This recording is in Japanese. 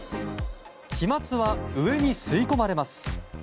飛沫は上に吸い込まれます。